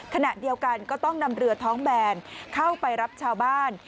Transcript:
ขณะเดียวกันก็ต้องนำเรือท้องแบนเข้าไปรับชาวบ้าน